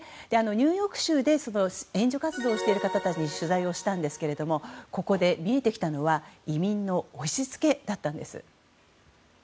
ニューヨーク州で援助活動をしている方たちに取材をしたんですけれどもここで見えてきたのは移民の押し付けだったんです。